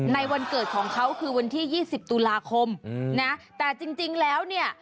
ในวันเกิดของเขาคือวันที่๒๐ตุลาคมแต่จริงแล้วเนี่ย